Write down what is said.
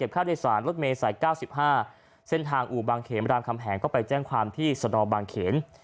ค่าโดยสารรถเมย์สาย๙๕เส้นทางอู่บางเขมรามคำแหงก็ไปแจ้งความที่สนบางเขน